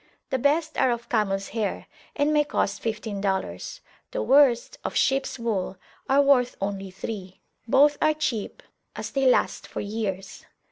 The best are of camels hair, and may cost fifteen dollars; the worst, of sheeps wool, are worth only three; both are cheap, as they last for years.